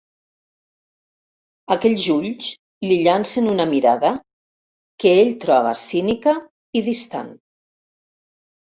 Aquells ulls li llancen una mirada que ell troba cínica i distant.